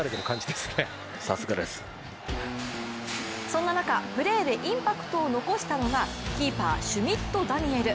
そんな中、プレーでインパクトを残したのがキーパー、シュミット・ダニエル。